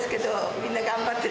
みんな頑張って。